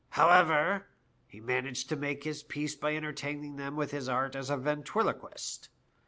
However, he managed to make his peace by entertaining them with his art as a ventriloquist.